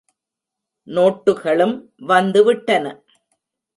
நோட்டுகளும் வந்து விட்டன.